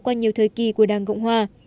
qua nhiều thời kỳ của đảng cộng hòa